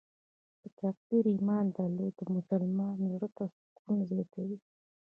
په تقدیر ایمان درلودل د مسلمان زړه ته سکون زیاتوي.